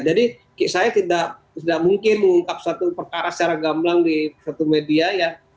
jadi saya tidak mungkin mengungkap suatu perkara secara gamblang di satu media ya